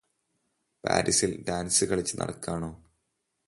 പാരിസിൽ dance കളിച്ചു നടക്കാണോ